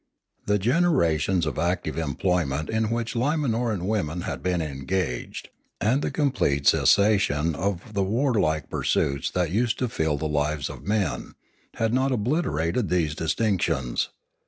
The generations of active employment in .which Limanoran women had been en gaged, and the complete cessation of the warlike pur suits that used to fill the lives of the men, had not obliterated these distinctions.